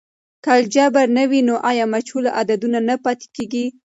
که الجبر نه وي، آیا مجهول عددونه نه پاتیږي؟